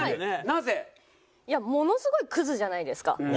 なぜ？いやものすごいクズじゃないですか。